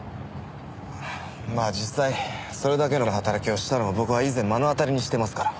まあ実際それだけの働きをしたのを僕は以前目の当たりにしてますから。